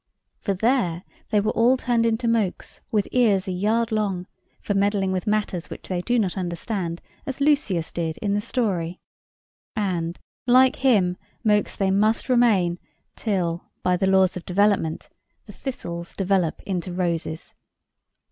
For there they were all turned into mokes with ears a yard long, for meddling with matters which they do not understand, as Lucius did in the story. And like him, mokes they must remain, till, by the laws of development, the thistles develop into roses.